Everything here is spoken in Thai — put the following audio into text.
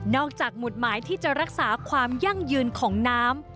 จากหมุดหมายที่จะรักษาความยั่งยืนของน้ำ